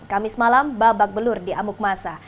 kamis malam babak belur di amuk masa